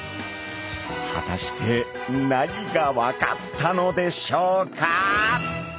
果たして何が分かったのでしょうか？